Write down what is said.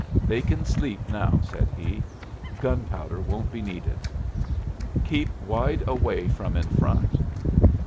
"They kin sleep now," said he. "Gunpowder won't be needed. Keep wide away from in front."